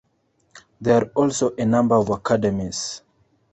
There are also a number of academies.